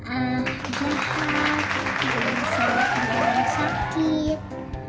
terus bisa jahat dengan sakit